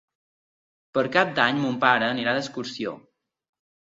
Per Cap d'Any mon pare anirà d'excursió.